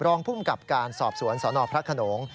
รองพุ่มกับการสอบสวนสอนอพระขนง